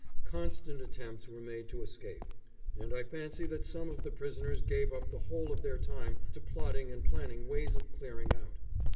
Constant attempts were made to escape, and I fancy that some of the prisoners gave up the whole of their time to plotting and planning ways of clearing out.